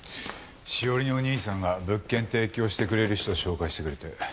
史織のお兄さんが物件提供してくれる人を紹介してくれて。